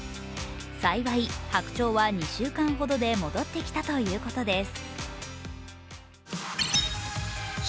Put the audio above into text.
幸い、白鳥は２週間ほどで戻ってきたということです。